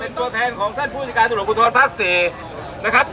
เป็นตัวแทนของท่านภูมิการจักรปุงทธนภาค๔